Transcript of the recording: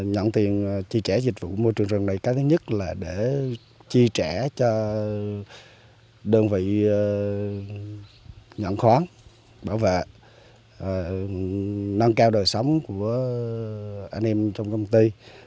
nhận tiền chi trả dịch vụ môi trường rừng này cái thứ nhất là để chi trả cho đơn vị nhận khoán bảo vệ nâng cao đời sống của anh em trong công ty